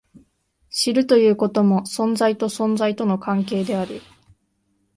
知るということも、存在と存在との関係である。